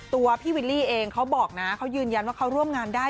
ตัวพี่วิลลี่เองเขาบอกนะเขายืนยันว่าเขาร่วมงานได้